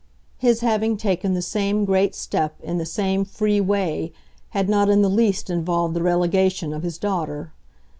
His having taken the same great step in the same free way had not in the least involved the relegation of his daughter.